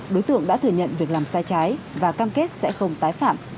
đối tượng đã thừa nhận việc làm sai trái và cam kết sẽ không tái phạm